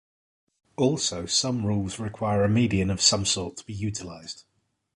Also, some rules require a median of some sort to be utilized.